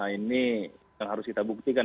ini harus kita buktikan